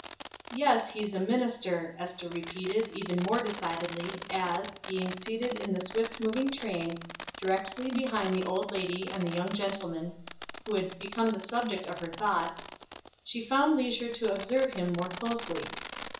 "Yes, he's a minister," Ester repeated, even more decidedly, as, being seated in the swift moving train, directly behind the old lady and the young gentleman who had become the subject of her thoughts, she found leisure to observe him more closely.